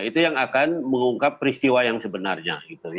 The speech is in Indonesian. itu yang akan mengungkap peristiwa yang sebenarnya